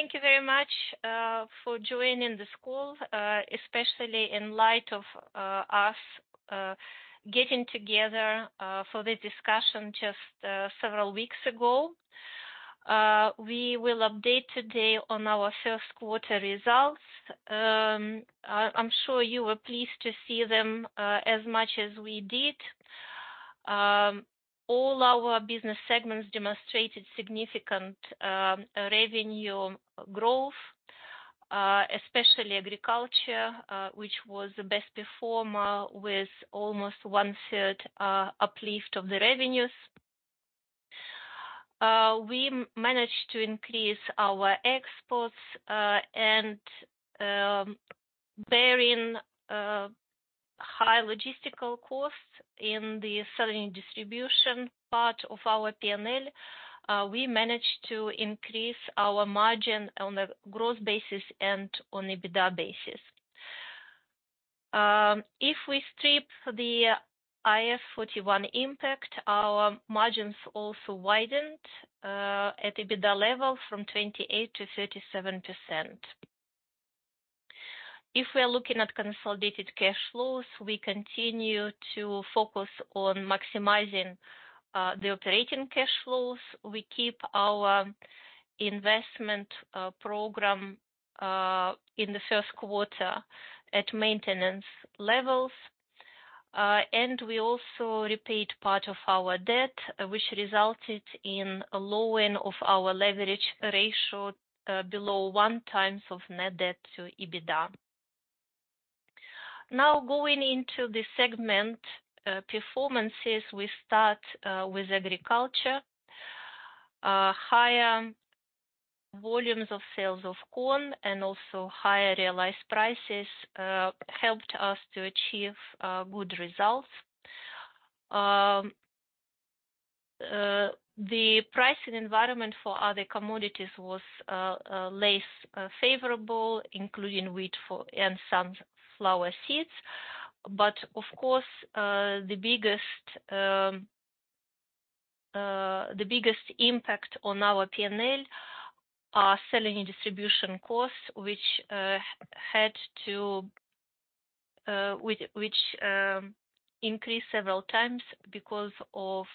Thank you very much for joining this call, especially in light of us getting together for the discussion just several weeks ago. We will update today on our first quarter results. I'm sure you were pleased to see them as much as we did. All our business segments demonstrated significant revenue growth, especially agriculture, which was the best performer with almost 1/3 uplift of the revenues. We managed to increase our exports, and bearing high logistical costs in the selling and distribution part of our P&L, we managed to increase our margin on a growth basis and on EBITDA basis. If we strip the IFRS 11 impact, our margins also widened at EBITDA level from 28%-37%. If we are looking at consolidated cash flows, we continue to focus on maximizing the operating cash flows. We keep our investment program in the first quarter at maintenance levels. We also repeat part of our debt, which resulted in a lowering of our leverage ratio below one times of net debt to EBITDA. Going into the segment performances, we start with agriculture. Higher volumes of sales of corn and also higher realized prices helped us to achieve good results. The pricing environment for other commodities was less favorable, including wheat and sunflower seeds. Of course, the biggest impact on our P&L are selling and distribution costs, which had to... which increased several times because of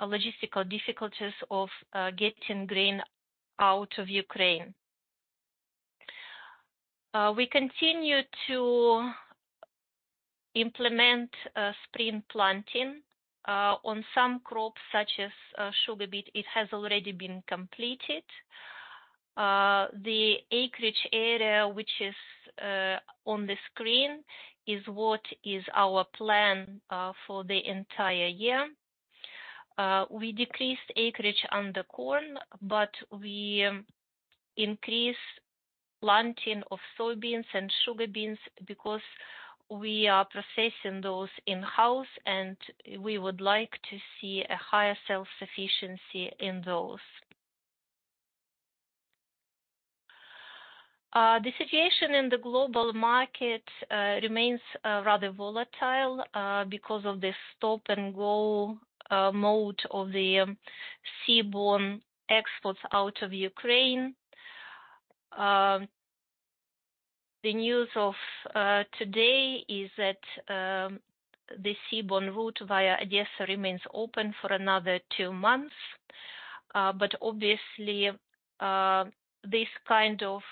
logistical difficulties of getting grain out of Ukraine. We continue to implement spring planting on some crops such as sugar beet. It has already been completed. The acreage area which is on the screen is what is our plan for the entire year. We decreased acreage under corn, but we increased planting of soybeans and sugar beets because we are processing those in-house, and we would like to see a higher self-sufficiency in those. The situation in the global market remains rather volatile because of the stop-and-go mode of the seaborne exports out of Ukraine. The news of today is that the seaborne route via Odesa remains open for another two months. Obviously, this kind of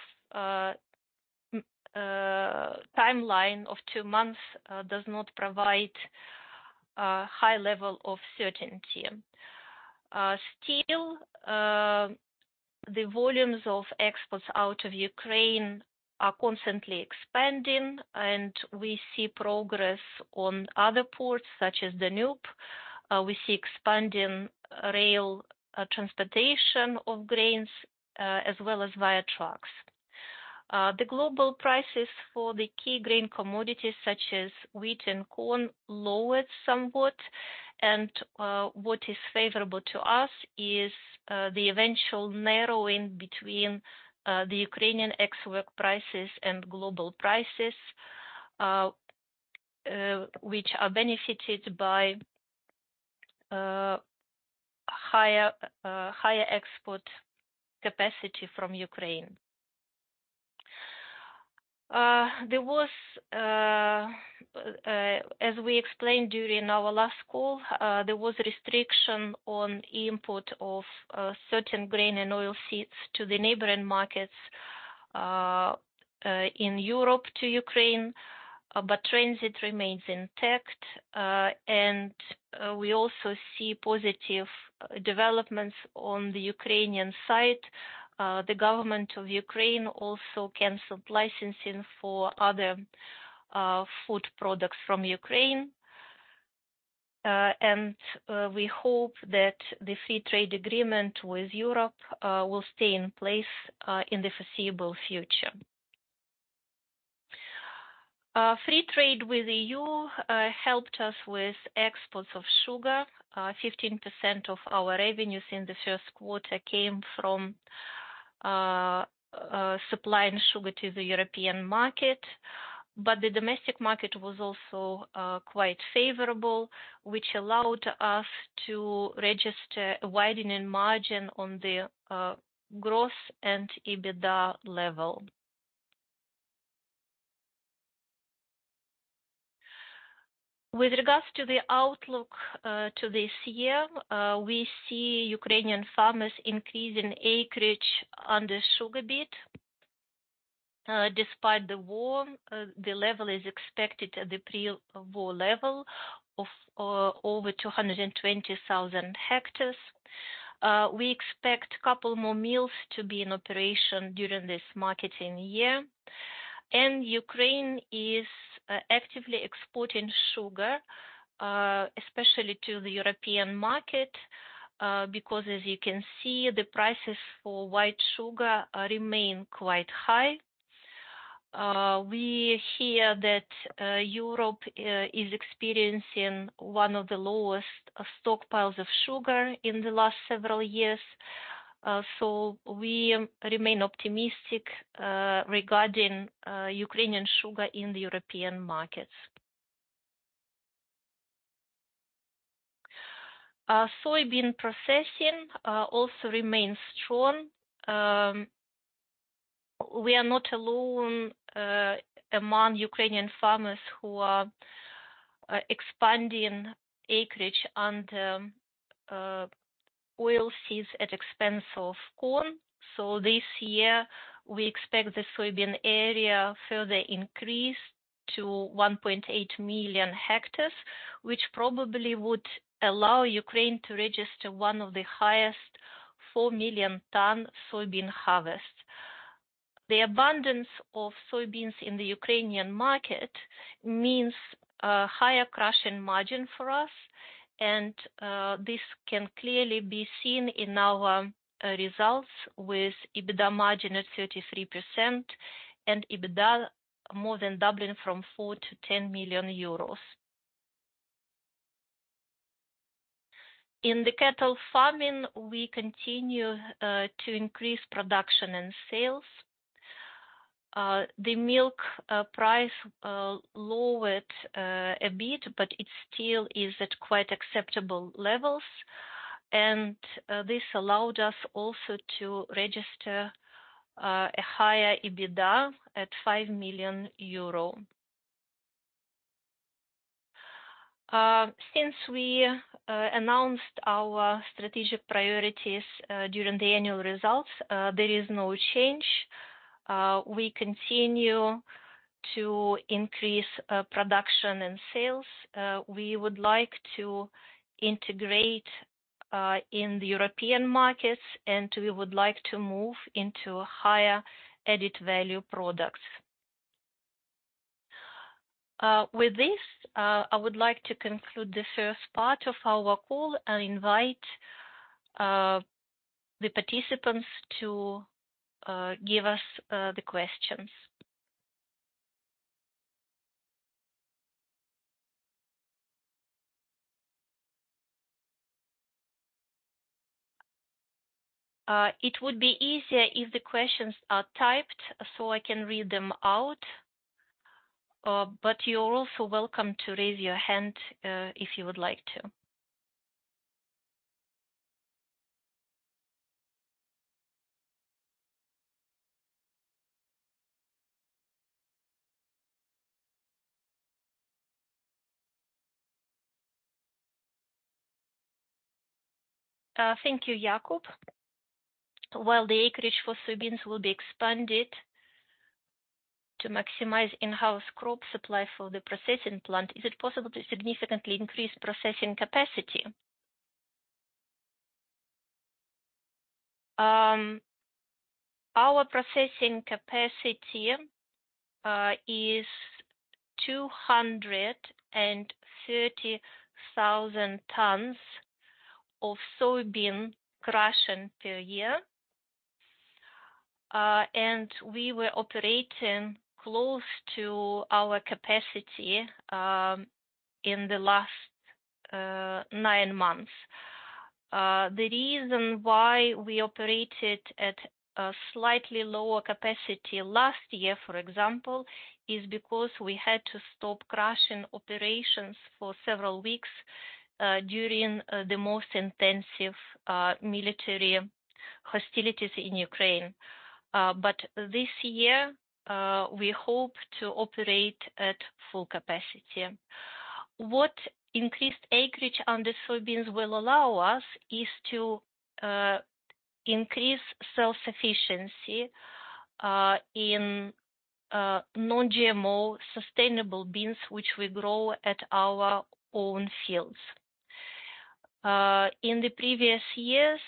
timeline of two months does not provide a high level of certainty. Still, the volumes of exports out of Ukraine are constantly expanding, and we see progress on other ports, such as Danube. We see expanding rail transportation of grains, as well as via trucks. The global prices for the key grain commodities such as wheat and corn lowered somewhat. What is favorable to us is the eventual narrowing between the Ukrainian ex-works prices and global prices, which are benefited by higher export capacity from Ukraine. As we explained during our last call, there was a restriction on import of certain grain and oilseeds to the neighboring markets in Europe to Ukraine, transit remains intact. We also see positive developments on the Ukrainian side. The government of Ukraine also canceled licensing for other food products from Ukraine. We hope that the free trade agreement with Europe will stay in place in the foreseeable future. Free trade with EU helped us with exports of sugar. 15% of our revenues in the first quarter came from supplying sugar to the European market. The domestic market was also quite favorable, which allowed us to register a widening margin on the growth and EBITDA level. With regards to the outlook, to this year, we see Ukrainian farmers increasing acreage under sugar beet. Despite the war, the level is expected at the pre-war level of over 220,000 hectares. We expect couple more mills to be in operation during this marketing year. Ukraine is actively exporting sugar, especially to the European market, because as you can see, the prices for white sugar remain quite high. We hear that Europe is experiencing one of the lowest stockpiles of sugar in the last several years, so we remain optimistic regarding Ukrainian sugar in the European markets. Soybean processing also remains strong. We are not alone among Ukrainian farmers who are expanding acreage under oilseeds at expense of corn. This year we expect the soybean area further increase to 1.8 million hectares, which probably would allow Ukraine to register one of the highest 4 million ton soybean harvests. The abundance of soybeans in the Ukrainian market means a higher crushing margin for us, and this can clearly be seen in our results with EBITDA margin at 33% and EBITDA more than doubling from 4 million-10 million euros. In cattle farming, we continue to increase production and sales. The milk price lowered a bit, but it still is at quite acceptable levels. This allowed us also to register a higher EBITDA at 5 million euro. Since we announced our strategic priorities during the annual results, there is no change. We continue to increase production and sales. We would like to integrate in the European markets, and we would like to move into higher added value products. With this, I would like to conclude the first part of our call and invite the participants to give us the questions. It would be easier if the questions are typed so I can read them out. You're also welcome to raise your hand if you would like to. Thank you, Jakub. While the acreage for soybeans will be expanded to maximize in-house crop supply for the processing plant, is it possible to significantly increase processing capacity? Our processing capacity is 230,000 tons of soybean crushing per year. We were operating close to our capacity in the last nine months. The reason why we operated at a slightly lower capacity last year, for example, is because we had to stop crushing operations for several weeks, during the most intensive military hostilities in Ukraine. But this year, we hope to operate at full capacity. What increased acreage under soybeans will allow us is to increase self-sufficiency in non-GMO sustainable beans which we grow at our own fields. In the previous years,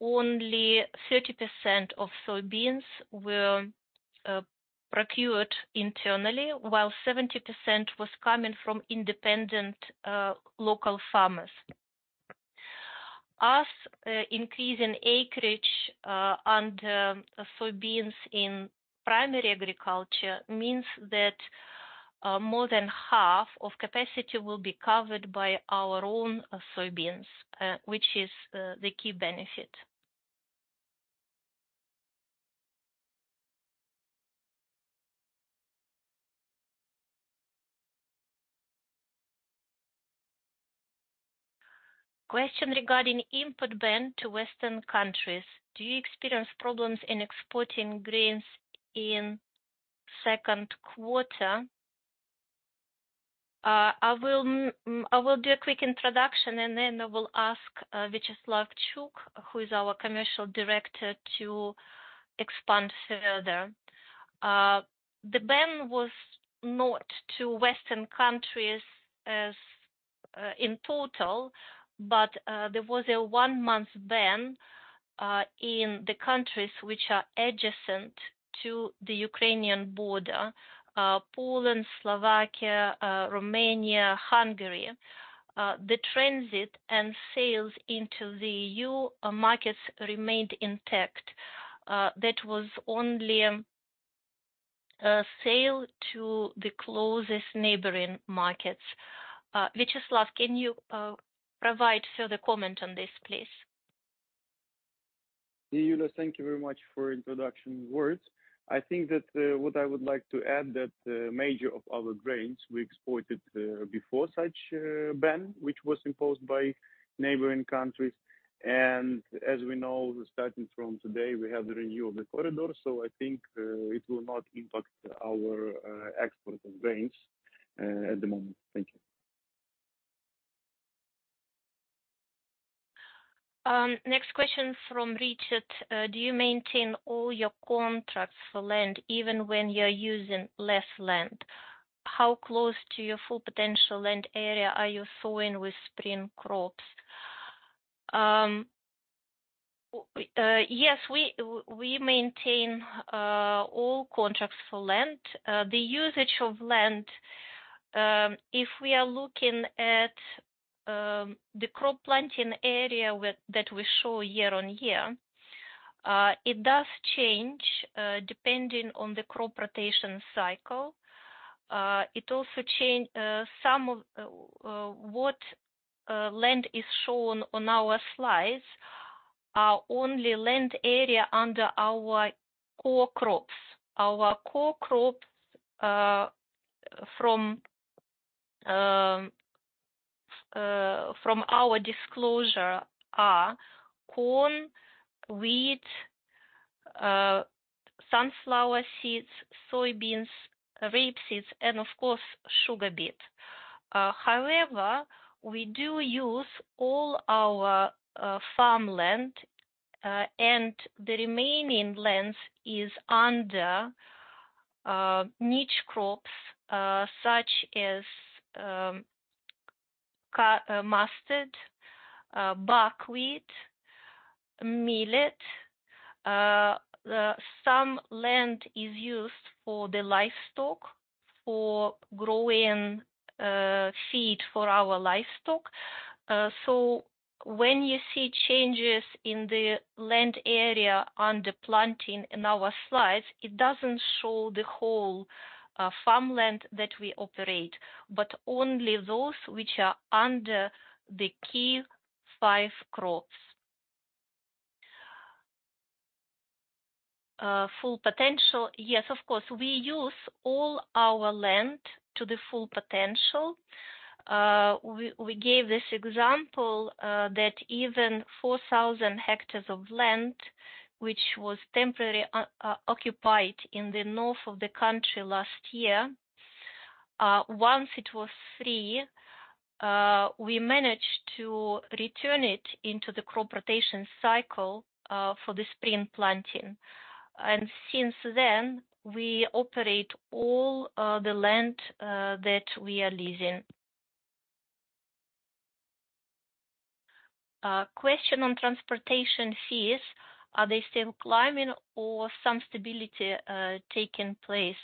only 30% of soybeans were procured internally, while 70% was coming from independent local farmers. Us increasing acreage under soybeans in primary agriculture means that more than half of capacity will be covered by our own soybeans, which is the key benefit. Question regarding input ban to Western countries. Do you experience problems in exporting grains in second quarter? I will do a quick introduction, and then I will ask Viacheslav Chuk, who is our commercial director, to expand further. The ban was not to Western countries as in total, but there was a one-month ban in the countries which are adjacent to the Ukrainian border, Poland, Slovakia, Romania, Hungary. The transit and sales into the EU markets remained intact. That was only a sale to the closest neighboring markets. Viacheslav, can you provide further comment on this, please? Yeah, Yuliya, thank you very much for introduction words. I think that what I would like to add that major of our grains we exported before such ban, which was imposed by neighboring countries. As we know, starting from today, we have the renewal of the corridor. I think it will not impact our export of grains at the moment. Thank you. Next question from Richard. Do you maintain all your contracts for land even when you're using less land? How close to your full potential land area are you sowing with spring crops? Yes, we maintain all contracts for land. The usage of land, if we are looking at the crop planting area that we show year on year, it does change depending on the crop rotation cycle. It also change, some of what land is shown on our slides are only land area under our core crops. Our core crops, from our disclosure are corn, wheat, sunflower seeds, soybeans, rapeseed, and of course, sugar beet. However, we do use all our farmland, and the remaining lands is under niche crops, such as... Mustard, buckwheat, millet. Some land is used for the livestock, for growing feed for our livestock. When you see changes in the land area under planting in our slides, it doesn't show the whole farmland that we operate, but only those which are under the key 5 crops. Full potential. Yes, of course. We use all our land to the full potential. We gave this example that even 4,000 hectares of land, which was temporarily occupied in the north of the country last year, once it was free, we managed to return it into the crop rotation cycle for the spring planting. Since then, we operate all the land that we are leasing. Question on transportation fees. Are they still climbing or some stability taking place?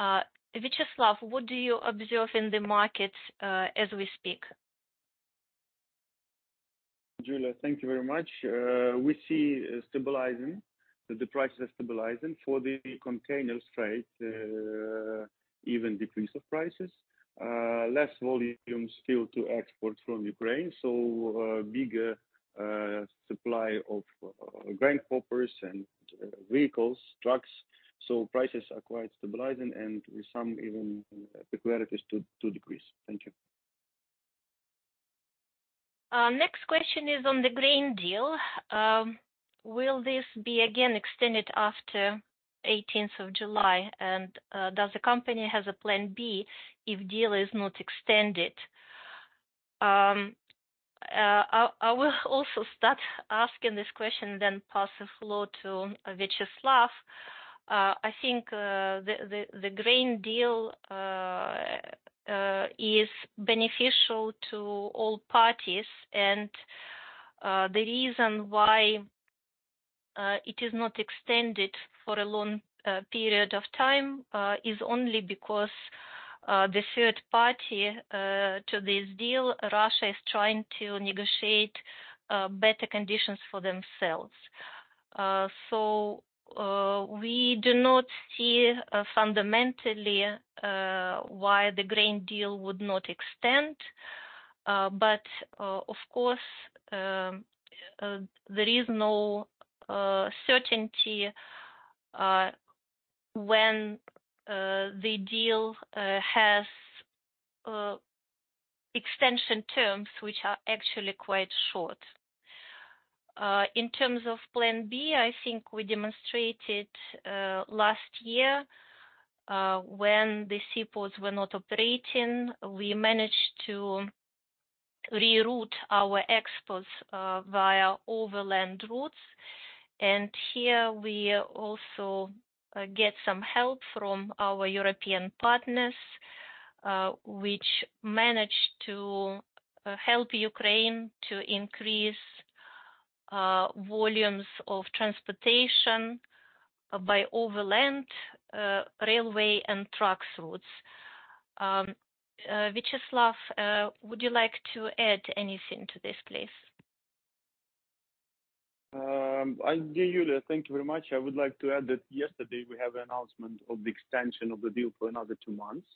Viacheslav, what do you observe in the market, as we speak? Yuliya, thank you very much. We see prices are stabilizing for the container freight, even decrease of prices. Less volumes still to export from Ukraine, so a bigger supply of grain hoppers and vehicles, trucks. Prices are quite stabilizing and with some even peculiarities to decrease. Thank you. Next question is on the grain deal. Will this be again extended after 18th of July? Does the company has a plan B if deal is not extended? I will also start asking this question then pass the floor to Viacheslav. I think the grain deal is beneficial to all parties, the reason why it is not extended for a long period of time is only because the third party to this deal, Russia, is trying to negotiate better conditions for themselves. We do not see fundamentally why the grain deal would not extend. Of course, there is no certainty when the deal has extension terms which are actually quite short. In terms of plan B, I think we demonstrated last year when the seaports were not operating, we managed to reroute our exports via overland routes. Here we also get some help from our European partners, which managed to help Ukraine to increase volumes of transportation by overland railway and truck routes. Viacheslav, would you like to add anything to this, please? Yeah, Yuliya, thank you very much. I would like to add that yesterday we have announcement of the extension of the deal for another two months.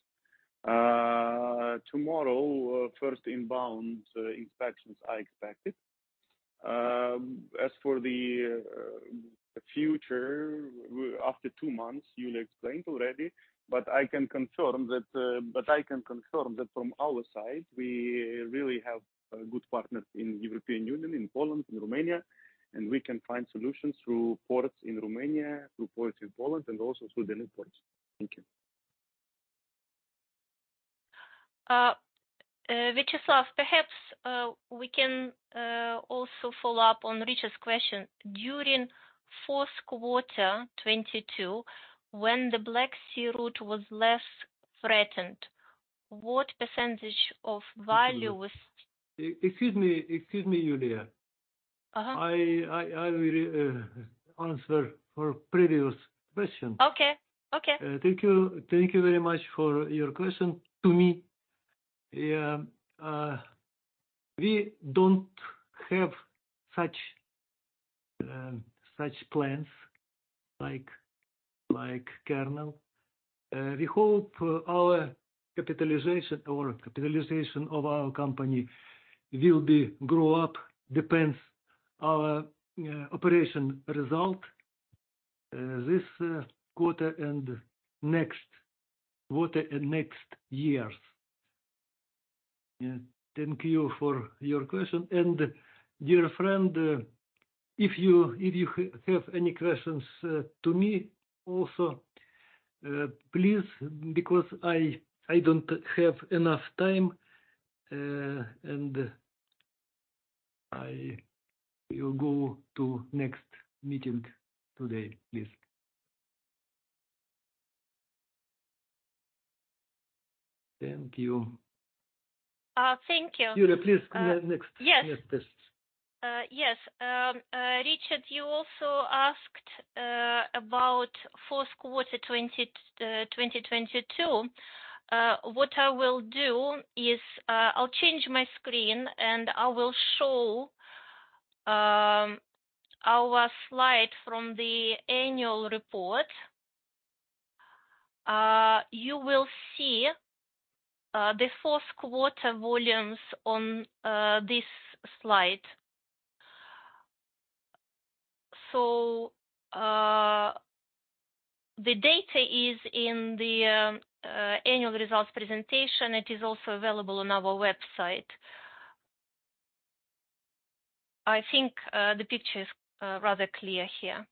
Tomorrow, first inbound inspections are expected. As for the future, after two months, Yuliya explained already. I can confirm that from our side, we really have good partners in European Union, in Poland, in Romania, and we can find solutions through ports in Romania, through ports in Poland, and also through the new ports. Thank you. Viacheslav, perhaps, we can also follow up on Richard's question. During fourth quarter 2022, when the Black Sea route was less threatened, what percentage of value was. Excuse me, Yuliya. Uh-huh. I will answer for previous question. Okay. Okay. Thank you. Thank you very much for your question to me. Yeah, we don't have such plans like Kernel. We hope our capitalization or capitalization of our company will be grow up, depends our operation result this quarter and next quarter and next years. Yeah. Thank you for your question. Dear friend, if you have any questions to me also, please, because I don't have enough time, and I will go to next meeting today. Please. Thank you. Thank you. Yuliya, please go next. Yes. Next, please. Yes. Richard, you also asked about fourth quarter 2022. What I will do is, I'll change my screen, and I will show our slide from the annual report. You will see the fourth quarter volumes on this slide. The data is in the annual results presentation. It is also available on our website. I think the picture is rather clear here.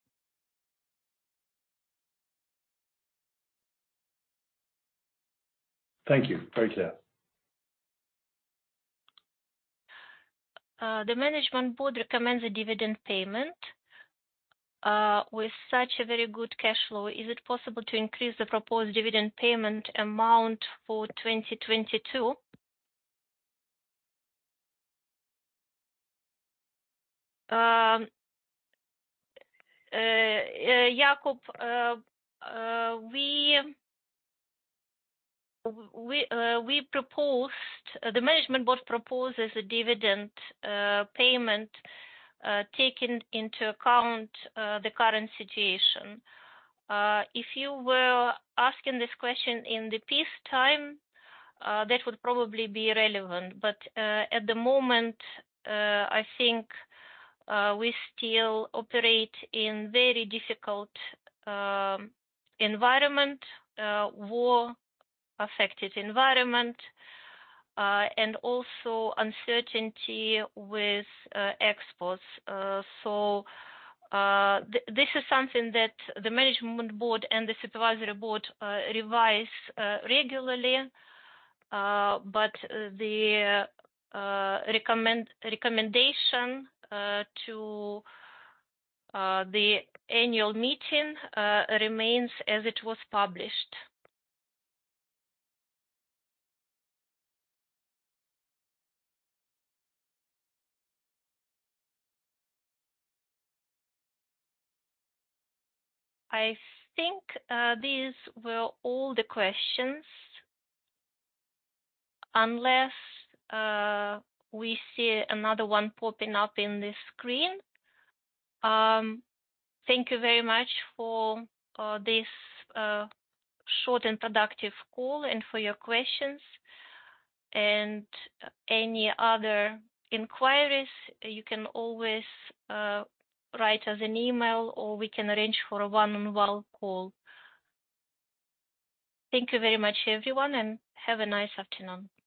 Thank you. Very clear. The management board recommends a dividend payment. With such a very good cash flow, is it possible to increase the proposed dividend payment amount for 2022? Jakub, the management board proposes a dividend payment, taking into account the current situation. If you were asking this question in the peace time, that would probably be relevant. At the moment, I think we still operate in very difficult environment, war-affected environment, and also uncertainty with exports. This is something that the management board and the supervisory board revise regularly. The recommendation to the annual meeting remains as it was published. I think these were all the questions, unless we see another one popping up in the screen. Thank you very much for this short introductory call and for your questions. Any other inquiries, you can always write us an email or we can arrange for a one-on-one call. Thank you very much everyone. Have a nice afternoon.